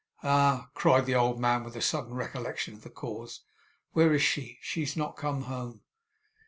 Ah!' cried the old man, with a sudden recollection of the cause. 'Where is she? She's not come home!